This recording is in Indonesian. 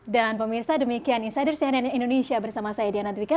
dan pak mirsa demikian insider cnn indonesia bersama saya diana dwiqa